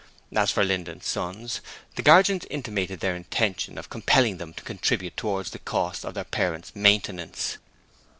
As for Linden's sons, the Guardians intimated their Intention of compelling them to contribute towards the cost of their parents' maintenance.